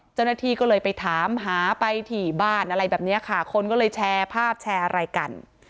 เจ้าหน้าที่ก็เลยไปถามหาไปที่บ้านอะไรแบบนี้ค่ะคนก็เลยแชร์ภาพแชร์อะไรกัน